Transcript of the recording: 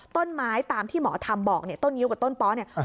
ต้นไม้ตามที่หมอทำบอกเนี่ยต้นงิ้วกับต้นป๊อเนี่ย